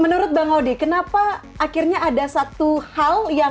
menurut bang haudi kenapa akhirnya ada satu hal yang